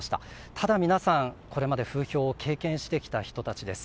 ただ皆さん、これまで風評を経験してきた人たちです。